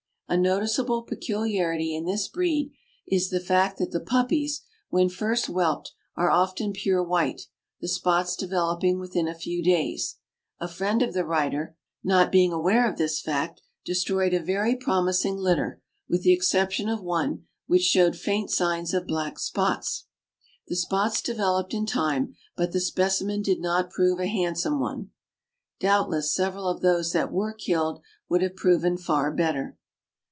A noticeable peculiarity in this breed is the fact that the puppies when first whelped are often pure white, the spots developing within a few days. A friend of the writer, not being aware of this fact, destroyed a very promising litter, with the exception of one, which showed faint signs of black spots. The spots developed in time, but the speci men did not prove a handsome one. Doubtless several of those that were killed would have proven far better.